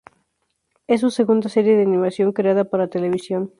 Es su segunda serie de animación creada para televisión.